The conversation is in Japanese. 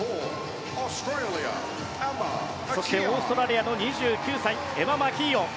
そして、オーストラリアの２９歳エマ・マキーオン。